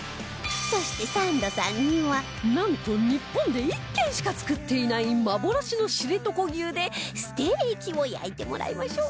そしてサンドさんにはなんと日本で１軒しか作っていない幻の知床牛でステーキを焼いてもらいましょう